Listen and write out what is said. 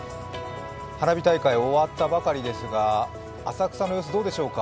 花火大会終わったばかりですが浅草の様子、どうでしょうか。